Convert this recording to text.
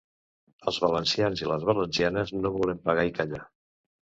Els valencians i les valencianes no volem pagar i callar.